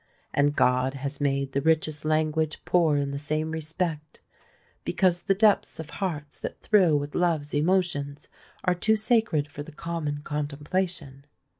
And God has made the richest language poor in the same respect, because the depths of hearts that thrill with love's emotions are too sacred for the common contemplation.